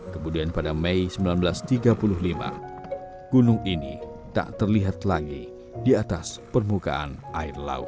kemudian pada mei seribu sembilan ratus tiga puluh lima gunung ini tak terlihat lagi di atas permukaan air laut